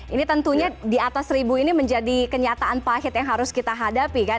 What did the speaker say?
ini tentunya di atas seribu ini menjadi kenyataan pahit yang harus kita hadapi kan